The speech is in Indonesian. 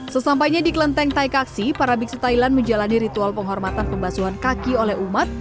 sesampainya di kelenteng taikaksi para biksu thailand menjalani ritual penghormatan pembasuhan kaki oleh umat